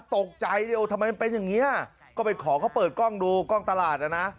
ตกใจดิโอทำไมมันเป็นอย่างนี้ก็ไปขอเขาเปิดกล้องดูกล้องตลาดอ่ะนะ